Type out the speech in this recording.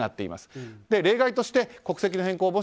例外として、国籍の変更